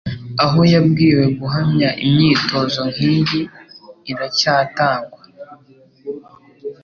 aho yabwiwe guhamya Imyitozo nk'iyi iracyatangwa